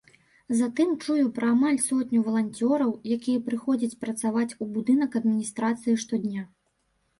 Затым чую пра амаль сотню валанцёраў, якія прыходзяць працаваць у будынак адміністрацыі штодня.